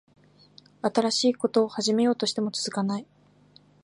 新しいこと始めようとしても続かない